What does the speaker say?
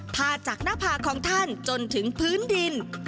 พาจากหน้าผากของท่านจนถึงพื้นดิน